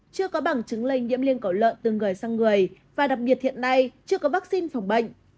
chưa có bằng chứng lây nhiễm liên cầu lợn từ người sang người và đặc biệt hiện nay chưa có vaccine phòng bệnh